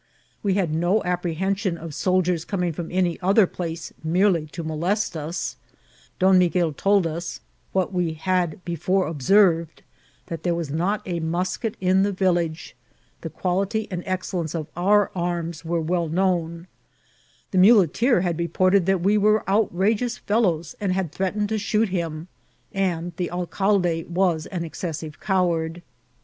We had no ^[yprehension ci soldiers coming from any odier place merely to molest ns* Don Miguel told us, what we had before observed, that there was not a musket in the village ; the quality and excellence of our arms were well known ; the muleteer had reported that we were outrageous fellows, and had threatened to shoot him ; and the alcalde was an excessive coward.